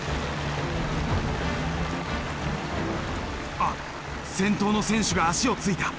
あっ先頭の選手が足をついた。